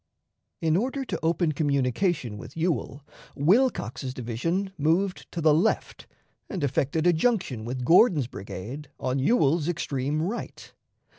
In order to open communication with Ewell, Wilcox's division moved to the left, and effected a junction with Gordon's brigade on Ewell's extreme right.